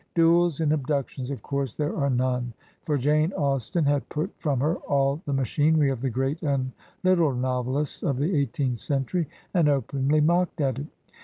Duels and abductions, of course, there are none; for Jane Austen had put from her all the machinery of the great and Uttle novelists of the eighteenth century, and openly mocked at it.